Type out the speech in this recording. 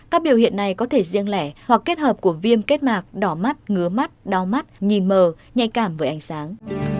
các biểu hiện này có thể riêng lẻ hoặc kết hợp của viêm kết mạc đỏ mắt ngứa mắt đau mắt nhì mờ nhạy cảm với ánh sáng